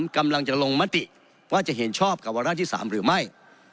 กำลังจะลงมติว่าจะเห็นชอบกับวาระที่๓หรือไม่